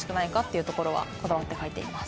いうところはこだわって描いています。